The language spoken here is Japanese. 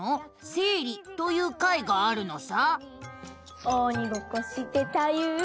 生理」という回があるのさ。